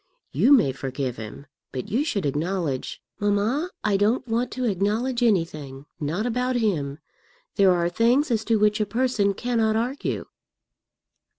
You may forgive him, but you should acknowledge " "Mamma, I don't want to acknowledge anything; not about him. There are things as to which a person cannot argue."